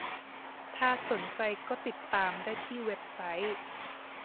ถ้าสนใจก็ติดตามได้ที่เว็บไซต์